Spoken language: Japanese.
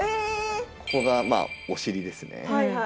ここがまあお尻ですね。